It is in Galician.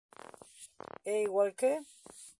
É igual que?